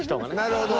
なるほど。